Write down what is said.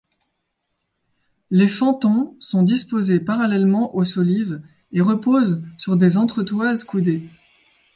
Les fentons sont disposés parallèlement aux solives et reposent sur des entretoises coudées.